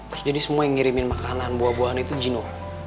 terus jadi semua yang ngirimin makanan buah buahan itu jenuh